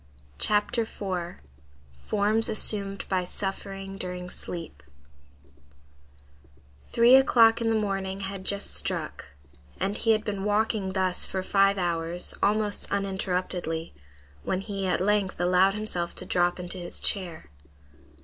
CHAPTER IV—FORMS ASSUMED BY SUFFERING DURING SLEEP Three o'clock in the morning had just struck, and he had been walking thus for five hours, almost uninterruptedly, when he at length allowed himself to drop into his chair.